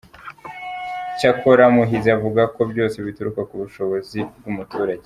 Cyakora Muhizi avuga ko byose bituruka ku bushobozi bw’umuturage.